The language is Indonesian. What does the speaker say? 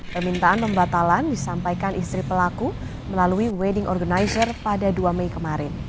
permintaan pembatalan disampaikan istri pelaku melalui wedding organizer pada dua mei kemarin